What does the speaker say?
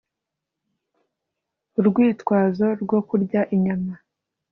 urwitwazo rwo kurya inyama